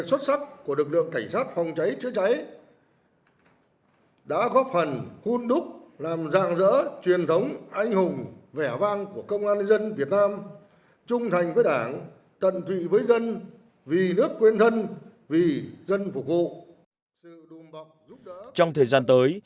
thực sự là lực lượng cảnh sát phòng cháy chữa cháy và cứu nạn cứu hổ được củng cố kiện toàn theo hướng cách mạng chính quy tinh nguyện và từng bước hiện đại